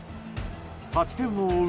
８点を追う